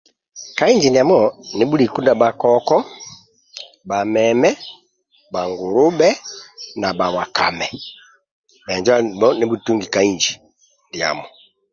Ka inji ndiamo nibhuliku na bhakoko bhameme bhangulubhe na bhawakame bhenjo andibho ndibhe nibhutungi ka inji ndiamo